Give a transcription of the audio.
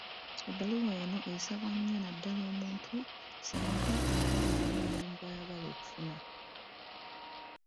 Ebbaluwa eno esabwa nnyo naddala omuntu singa aba alina omulimu gw'ayagala okufuna.